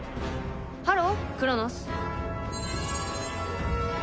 ハロー、クロノス。